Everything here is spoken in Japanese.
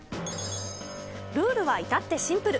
ルールはいたってシンプル。